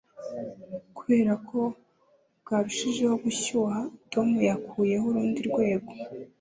Kubera ko bwarushijeho gushyuha Tom yakuyeho urundi rwego